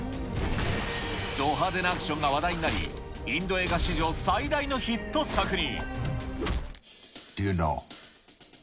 ど派手なアクションが話題になり、インド映画史上最大のヒット作に。